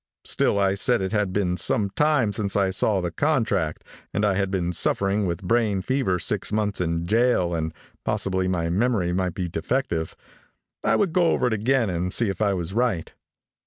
Still I said it had been some time since I saw the contract and I had been suffering with brain fever six months in jail and possibly my memory might be defective. I would go over it again and see if I was right.